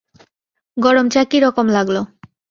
গরম চা কী রকম লাগল?